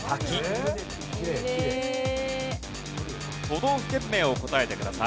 都道府県名を答えてください。